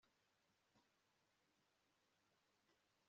wa munyaporitiki yagombaga gukurikiza amabwiriza